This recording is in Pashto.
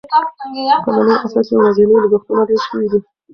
په ننني عصر کې ورځني لګښتونه ډېر شوي دي.